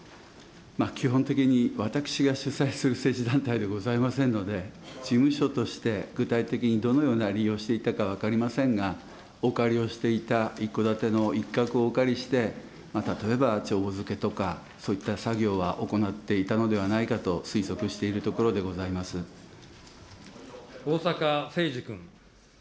基本的に私が主催する政治団体でございませんので、事務所として、具体的にどのような利用をしていたか分かりませんが、お借りをしていた一戸建てのいっかくをお借りして、例えば帳簿づけとか、そういった作業は行っていたのではないかと推測している逢坂誠二君。